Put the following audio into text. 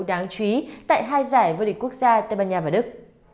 đáng chú ý tại hai giải vd quốc gia tây ban nha và đức